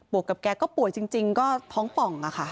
บวกแกก็ป่วยจริงก็ท้องป๋องค่ะ